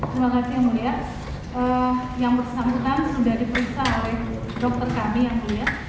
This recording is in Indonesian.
terima kasih mulya yang bersambutan sudah diperiksa oleh dokter kami yang mulia